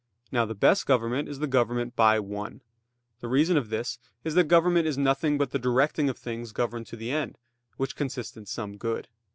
Now the best government is the government by one. The reason of this is that government is nothing but the directing of the things governed to the end; which consists in some good.